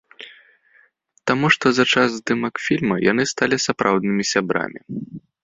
Таму што за час здымак фільма яны сталі сапраўднымі сябрамі.